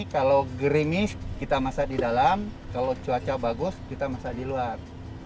kalau gerimis kita masak di dalam kalau cuaca bagus kita masak di luar